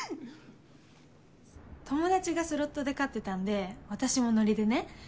友達がスロットで勝ってたんで私もノリでね。